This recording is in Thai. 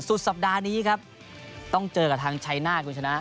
สุดสัปดาห์นี้ครับต้องเจอกับทางชัยนาธคุณชนะ